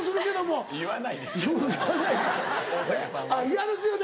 嫌ですよね